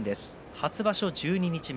初場所十二日目。